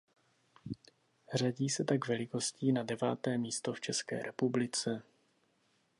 Řadí se tak velikostí na deváté místo v České republice.